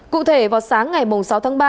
cụ thể vào sáng ngày sáu tháng ba